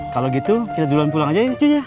kalo gitu kita duluan pulang aja ya cuy ya